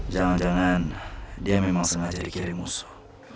jangan jangan dia memang sengaja dikirim musuh